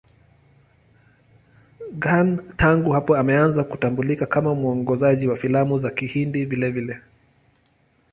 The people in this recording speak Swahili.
Khan tangu hapo ameanza kutambulika kama mwongozaji wa filamu za Kihindi vilevile.